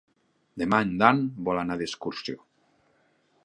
Demà en Dan vol anar d'excursió.